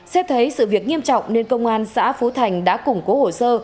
xét thấy sự việc nghiêm trọng nên công an xã phú thành đã củng cố hồ sơ